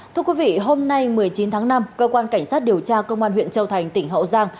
thưa quý vị hôm nay một mươi chín tháng năm cơ quan cảnh sát điều tra công an huyện châu thành tỉnh hậu giang